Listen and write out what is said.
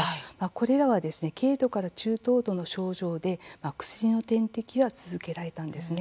これらは軽度から中等度の症状で薬の点滴は続けられたんですね。